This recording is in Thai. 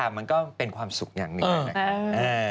แรงตรงนี้ก็เป็นความสุขอย่างหนึ่ง